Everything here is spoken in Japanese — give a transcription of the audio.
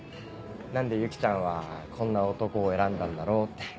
何で結季ちゃんはこんな男を選んだんだろうって。